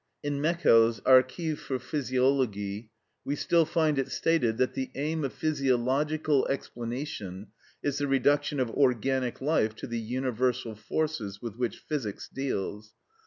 In Meckel's "Archiv für Physiologie" (1820, vol. v. p. 185) we still find it stated that the aim of physiological explanation is the reduction of organic life to the universal forces with which physics deals.